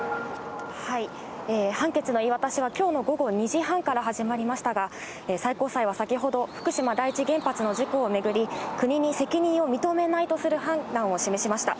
判決の言い渡しはきょうの午後２時半から始まりましたが、最高裁は先ほど、福島第一原発の事故を巡り、国に責任を認めないとする判断を示しました。